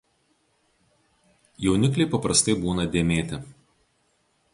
Jaunikliai paprastai būna dėmėti.